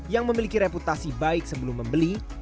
yang memiliki reputasi baik sebelum membeli